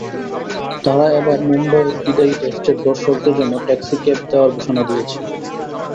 তারা এবার মুম্বাইয়ের বিদায়ী টেস্টের দর্শকদের জন্য ট্যাক্সিক্যাব দেওয়ার ঘোষণা দিয়েছে।